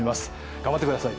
頑張ってください。